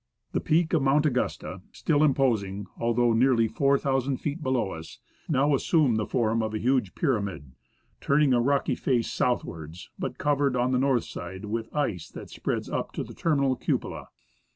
The peak of Mount Augusta, still imposing, although nearly 4,000 feet below us, now assumed the form of a huge pyramid, turning a rocky face southwards, but covered, on the north side, with ice that spreads up to the terminal cupola.